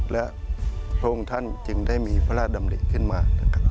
และพระองค์ท่านจึงได้มีพระราชดำริขึ้นมา